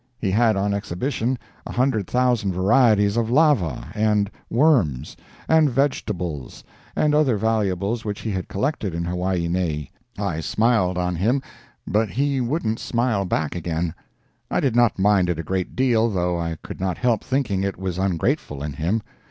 He had on exhibition a hundred thousand varieties of lava and worms, and vegetables, and other valuables which he had collected in Hawaii nei. I smiled on him, but he wouldn't smile back again. I did not mind it a great deal, though I could not help thinking it was ungrateful in him.